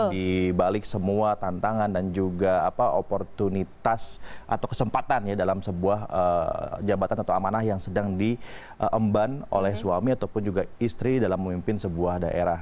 di balik semua tantangan dan juga oportunitas atau kesempatan ya dalam sebuah jabatan atau amanah yang sedang diemban oleh suami ataupun juga istri dalam memimpin sebuah daerah